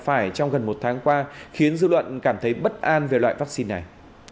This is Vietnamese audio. phải trong gần một tháng qua khiến dư luận cảm thấy bất an về loại vaccine này